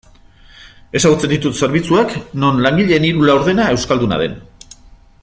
Ezagutzen ditut zerbitzuak non langileen hiru laurdena euskalduna den.